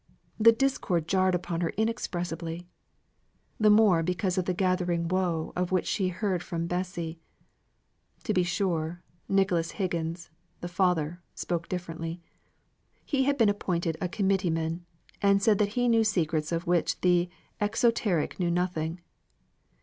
The discord jarred upon her inexpressibly. The more because of the gathering woe of which she heard from Bessy. To be sure, Nicholas Higgins, the father, spoke differently. He had been appointed a committee man, and said that he knew secrets of which the exoteric knew nothing.